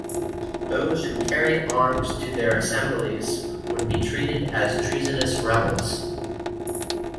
Those who carried arms to their assemblies would be treated as treasonous rebels.